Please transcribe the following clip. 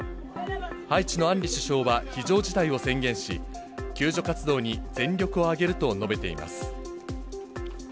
ハイチのアンリ首相は非常事態を宣言し、救助活動に全力を挙げると述べています。